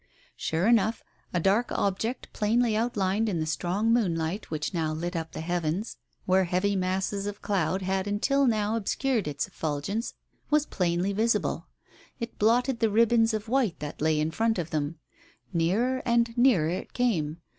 Sure enough, a dark object, plainly outlined in the strong moonlight which now lit up the heavens, where heavy masses of cloud had until now obscured its efful gence, was plainly visible. It blotted the ribbon of white that lay in front of them. ... Nearer and nearer it came.